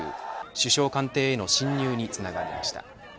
首相官邸への侵入につながりました。